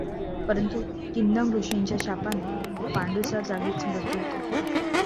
परंतु किंदम ऋषींच्या शापाने पांडूचा जागीच मृत्यु होतो.